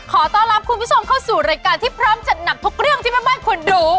ขอต้อนรับคุณผู้ชมเข้าสู่รายการที่พร้อมจัดหนักทุกเรื่องที่แม่บ้านควรรู้